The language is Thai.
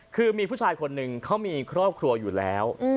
คือมีผู้ชายคนหนึ่งเขามีครอบครัวอยู่แล้ว